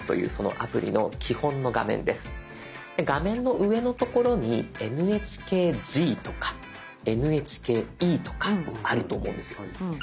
画面の上のところにＮＨＫＧとかＮＨＫＥとかあると思うんですよ。